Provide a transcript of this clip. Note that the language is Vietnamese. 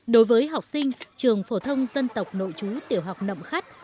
đối với học sinh trường phổ thông dân tộc nội chú tiểu học nậm khắt